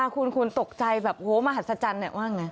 คุณตกใจแบบโหมหัศจรรย์เนี่ยว่าอย่างไร